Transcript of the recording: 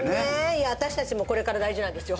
いや私たちもこれから大事なんですよ